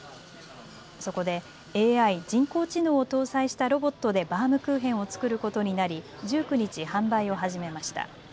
そこでＡＩ・人工知能を搭載したロボットでバウムクーヘンを作ることになり１９日、販売を始めました。